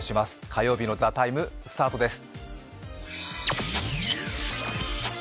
火曜日の「ＴＨＥＴＩＭＥ，」スタートです。